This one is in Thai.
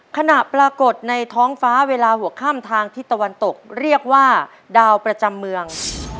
ปรากฏในท้องฟ้าเวลาหัวข้ามทางทิศตะวันตกเรียกว่าดาวประจำเมือง